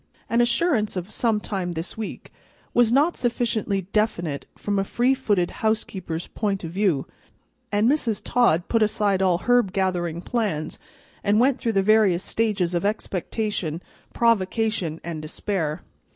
An assurance of "some time this week" was not sufficiently definite from a free footed housekeeper's point of view, and Mrs. Todd put aside all herb gathering plans, and went through the various stages of expectation, provocation, and despair.